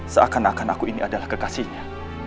seakan akan aku ini adalah kekasihnya